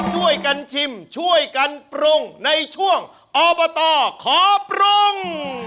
ช่วยกันชิมช่วยกันปรุงในช่วงอบตขอปรุง